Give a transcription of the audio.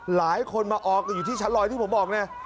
หลายคนมาออกอยู่ที่ชั้นลอยที่ผมบอกเนี่ย